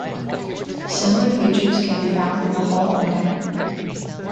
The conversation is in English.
Similar features can be found in the hall and dining room.